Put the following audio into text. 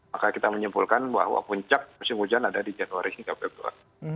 maka kita menyimpulkan bahwa puncak musim hujan ada di januari hingga februari